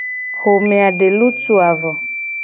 Xome a de lutuu a vo.